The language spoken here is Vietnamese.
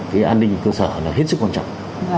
cái an ninh cơ sở là hết sức quan trọng